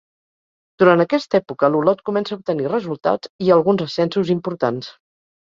Durant aquesta època l'Olot comença a obtenir resultats i alguns ascensos importants.